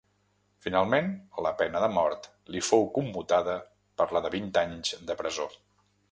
Finalment la pena de mort li fou commutada per la de vint anys de presó.